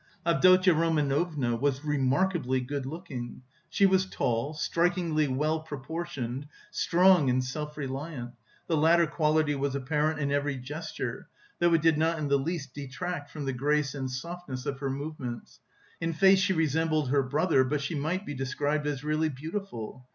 Avdotya Romanovna was remarkably good looking; she was tall, strikingly well proportioned, strong and self reliant the latter quality was apparent in every gesture, though it did not in the least detract from the grace and softness of her movements. In face she resembled her brother, but she might be described as really beautiful.